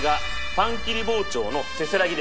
パン切り包丁のせせらぎ？